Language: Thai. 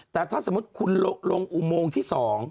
แต่ถ้าสมมุติคุณลงอุโมงที่๒